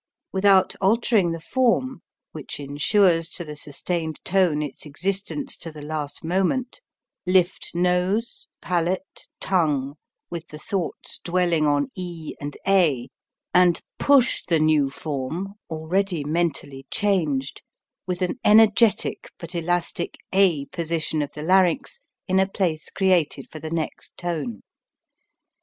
Without altering the form which insures to the sustained tone its existence to the last 244 HOW TO SING moment lift nose, palate, tongue, with the thoughts dwelling on e and a, and push the new form, already mentally changed, with an energetic but elastic a position of the larynx in a place created for the next tone.